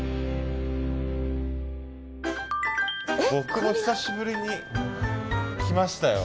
僕も久しぶりに来ましたよ。